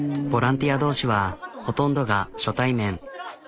ボランティアどうしはほとんどが初対面。